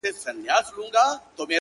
وړونه مي ټول د ژوند پر بام ناست دي ـ